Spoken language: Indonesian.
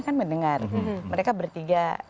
kan mendengar mereka bertiga